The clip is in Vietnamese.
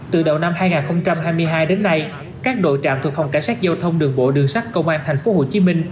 từ đầu năm hai nghìn hai mươi hai đến nay các đội trạm thuộc phòng cảnh sát giao thông đường bộ đường sắt công an tp hcm